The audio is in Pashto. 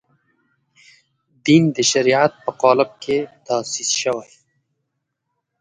دین د شریعت په قالب کې تاسیس شوی.